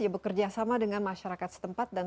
bekerja sama dengan masyarakat setempat dan